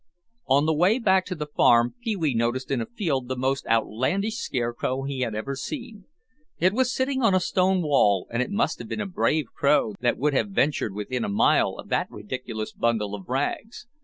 On the way back to the farm, Pee wee noticed in a field the most outlandish scarecrow he had ever seen. It was sitting on a stone wall, and it must have been a brave crow that would have ventured within a mile of that ridiculous bundle of rags.